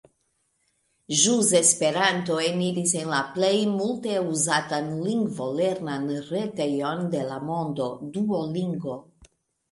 Ĵus Esperanto eniris en la plej multe uzatan lingvolernan retejon de la mondo, Duolingo.